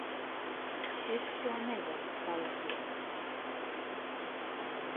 Es to nevaru salabot.